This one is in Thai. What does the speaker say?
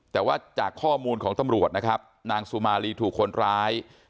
แต่ว่าจากข้อมูลของตำรวจนะครับนางสุมารีถูกคนร้าย